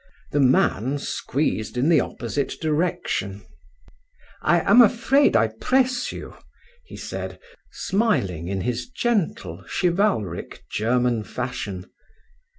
The man squeezed in the opposite direction. "I am afraid I press you," he said, smiling in his gentle, chivalric German fashion.